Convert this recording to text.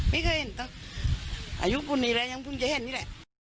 ไม่เคยเห็นอายุคุณนี่แหละยังคุณจะเห็นนี่แหละ